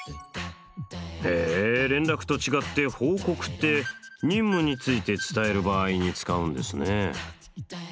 へえ連絡と違って報告って任務について伝える場合に使うんですね。